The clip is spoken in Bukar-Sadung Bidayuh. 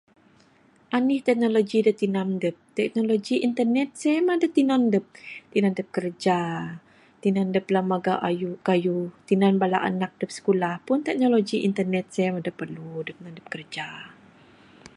Anih teknologi da tinan dep. Teknologi internet sieh mah da tinan adep. Tinan dep kerja, tinan adep lemak magau kayuh, kayuh tinan bala anak adep sikulah pun teknologi internet sieh adep perlu nan dep ngundah kerja.